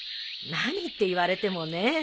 何って言われてもねえ。